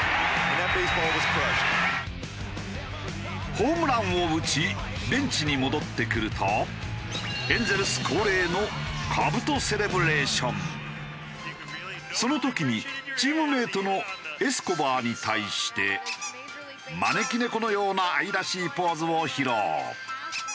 ホームランを打ちベンチに戻ってくるとエンゼルス恒例のその時にチームメートのエスコバーに対して招き猫のような愛らしいポーズを披露。